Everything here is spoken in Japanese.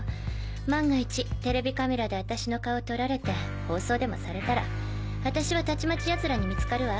万が一テレビカメラで私の顔を撮られて放送でもされたら私はたちまち奴らに見つかるわ。